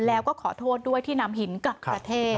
แล้วก็ขอโทษด้วยที่นำหินกลับประเทศ